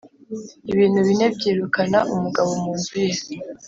ibintu bine byirukana umugabo mu nzu ye: